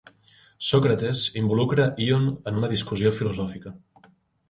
Sòcrates involucra Ion en una discussió filosòfica.